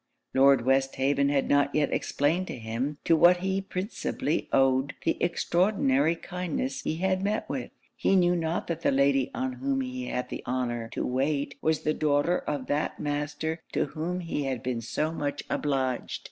Lord Westhaven had not yet explained to him to what he principally owed the extraordinary kindness he had met with. He knew not that the lady on whom he had the honour to wait was the daughter of that master to whom he had been so much obliged.